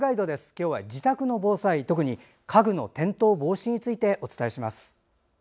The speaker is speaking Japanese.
今日は自宅の防災特に家具の転倒防止についてお伝えします。